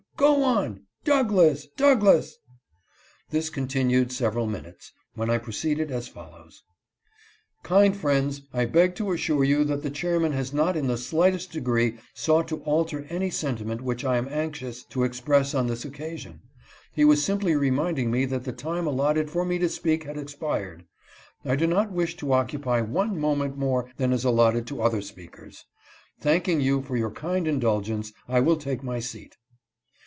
"Go on! "" Douglass !"" Douglass !" This continued sev eral minutes, when I proceeded as follows :" Kind friends, I beg to assure you that the chairman has not in the slightest degree sought to alter any sentiment which I am anxious to express on this occasion. He was simply re minding me that the time allotted for me to speak had expired. I do not wish to occupy one moment more than is allotted to other speakers. Thanking you for your kind indulgence, I will take my seat."